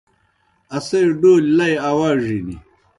اسے ڈولیْ لئی آواڙِن۔